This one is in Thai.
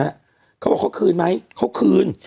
เขาบอกเขาคืนไหมเขาคืน